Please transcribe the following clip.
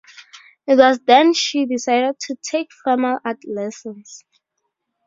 It was then she decided to take formal art lessons.